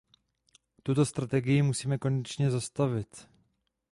Tuto strategii musíme konečně zastavit.